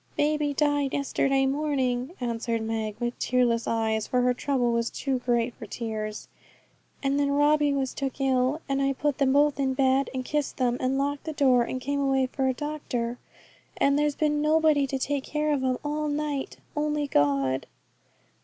'Baby died yesterday morning,' answered Meg, with tearless eyes, for her trouble was too great for tears; 'and then Robbie was took ill, and I put them both in bed, and kissed them, and locked the door, and came away for a doctor, and there's been nobody to take care of 'em all night, only God.'